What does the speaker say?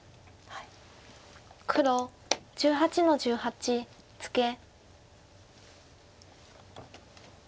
黒１８の十八ツケ。